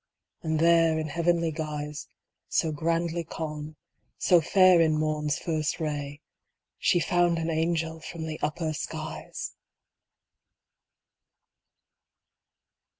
And there in heavenly guise, So grandly calm, so fair in morn's first ray, She found an angel from the upper skies